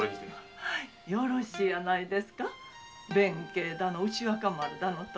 よろしゅうやないですか弁慶だの牛若丸だのと。